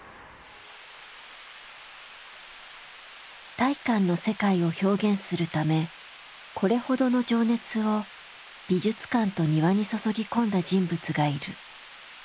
大観の世界を表現するためこれほどの情熱を美術館と庭に注ぎ込んだ人物がいる。